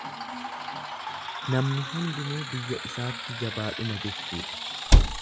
Namni hunduu biyya isaatti jabaadhuma jechuudha.